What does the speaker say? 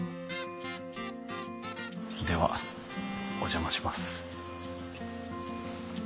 ではお邪魔します。